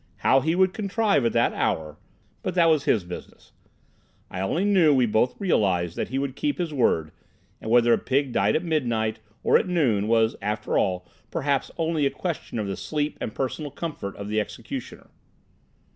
How he would contrive at that hour—but that was his business. I only know we both realised that he would keep his word, and whether a pig died at midnight, or at noon, was after all perhaps only a question of the sleep and personal comfort of the executioner.